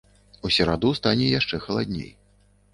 У сераду стане яшчэ халадней.